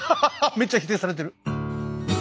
めっちゃ否定されてる。